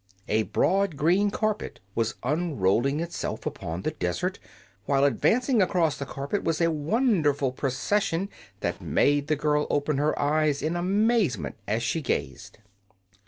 A broad green carpet was unrolling itself upon the desert, while advancing across the carpet was a wonderful procession that made the girl open her eyes in amazement as she gazed.